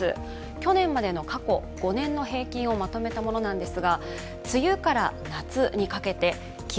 去年までの過去５年の平均をまとめたものです。